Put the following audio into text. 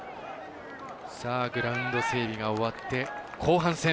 グラウンド整備が終わって後半戦。